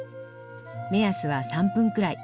目安は３分くらい。